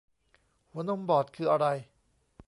หัวนมบอดคืออะไร